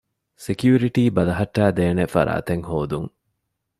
ސެކިއުރިޓީ ބަލަހައްޓައިދޭނެ ފަރާތެއް ހޯދުން